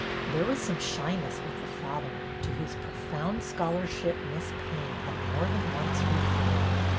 There was some shyness with the father, to whose pro found scholarship Miss Payne had more than once referred.